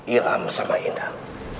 ilam sama indah